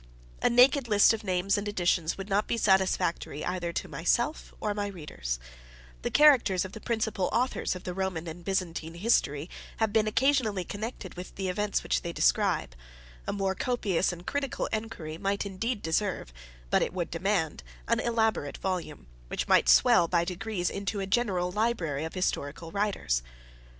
A naked list of names and editions would not be satisfactory either to myself or my readers: the characters of the principal Authors of the Roman and Byzantine History have been occasionally connected with the events which they describe; a more copious and critical inquiry might indeed deserve, but it would demand, an elaborate volume, which might swell by degrees into a general library of historical writers.